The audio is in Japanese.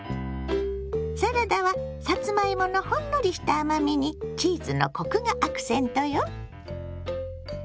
サラダはさつまいものほんのりした甘みにチーズのコクがアクセントよ。